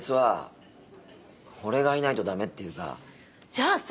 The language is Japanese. じゃあさ